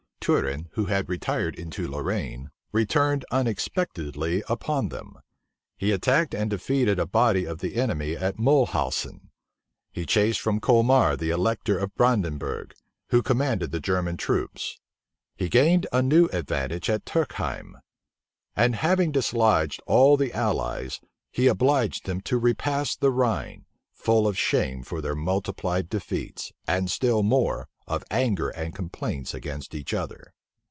Turenne, who had retired into Lorraine, returned unexpectedly upon them. He attacked and defeated a body of the enemy at Mulhausen. He chased from Colmar the elector of Brandenburgh, who commanded the German troops*[missing period] He gained a new advantage at Turkheim. And having dislodged all the allies, he obliged them to repass the Rhine, full of shame for their multiplied defeats, and still more, of anger and complaints against each other.